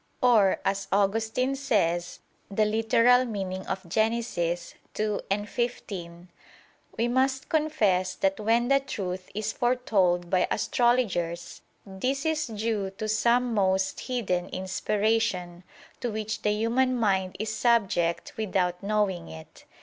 Or, as Augustine says (Gen. ad lit. ii, 15): "We must confess that when the truth is foretold by astrologers, this is due to some most hidden inspiration, to which the human mind is subject without knowing it.